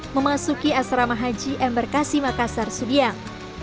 memasuki asrama haji ember kasimakasar sudiang